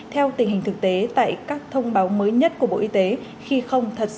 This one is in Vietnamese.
theo tình hình thực tế tại các thông báo mới nhất của bộ y tế khi không thật sự